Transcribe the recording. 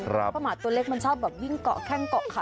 เพราะหมาตัวเล็กมันชอบแบบวิ่งเกาะแข้งเกาะขา